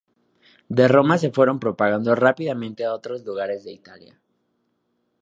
De Roma se fue propagando rápidamente a otros lugares de Italia.